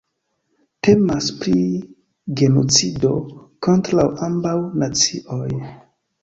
Temas pri genocido kontraŭ ambaŭ nacioj.